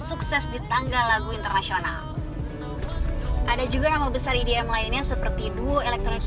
sukses di tangga lagu internasional ada juga nama besar idm lainnya seperti duo elektronik